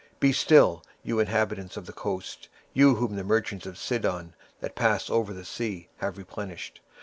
23:023:002 Be still, ye inhabitants of the isle; thou whom the merchants of Zidon, that pass over the sea, have replenished.